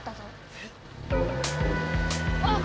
えっ⁉あっ！